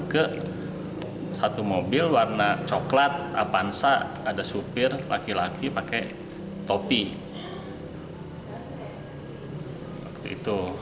ke satu mobil warna coklat apansa ada supir laki laki pakai topi